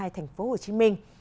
thành phố hồ chí minh